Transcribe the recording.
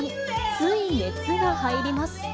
つい熱が入ります。